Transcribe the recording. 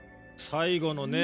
最後のね